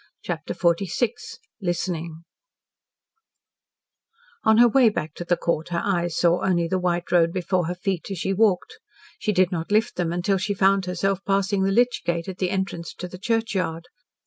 CHAPTER XLVI LISTENING On her way back to the Court her eyes saw only the white road before her feet as she walked. She did not lift them until she found herself passing the lych gate at the entrance to the churchyard.